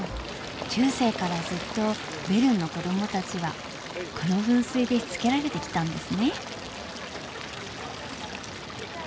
中世からずっとベルンの子どもたちはこの噴水でしつけられてきたんですね。